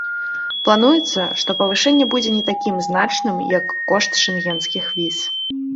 Плануецца, што павышэнне будзе не такім значным, як кошт шэнгенскіх віз.